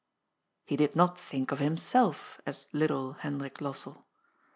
He did not think of himself as little Hendrik Lossell.